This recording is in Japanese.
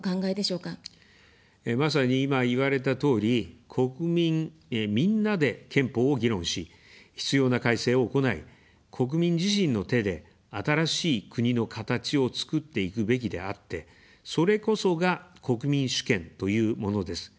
まさに今、言われたとおり、国民みんなで憲法を議論し、必要な改正を行い、国民自身の手で新しい「国のかたち」をつくっていくべきであって、それこそが、国民主権というものです。